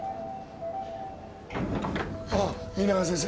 あっ皆川先生。